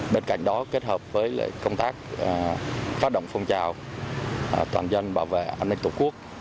bên cạnh đó kết hợp với công tác phát động phong trào toàn dân bảo vệ an ninh tổ quốc